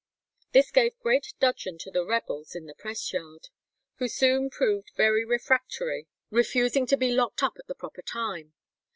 This gave great dudgeon to the rebels in the press yard, who soon proved very refractory, refusing to be locked up at the proper time.